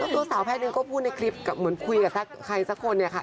แล้วตัวสาวแพทย์หนึ่งก็พูดในคลิปเหมือนคุยกับใครสักคนค่ะ